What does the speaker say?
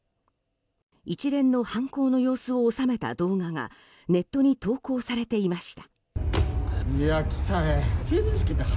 一連の犯行の様子を収めた動画がネットに投稿されていました。